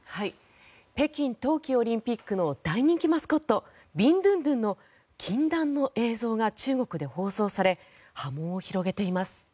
北京冬季オリンピックの大人気マスコットビンドゥンドゥンの禁断の映像が中国で放送され波紋を広げています。